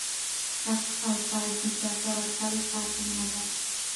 تخت او تاج د چا سره تل پاتې نه دی.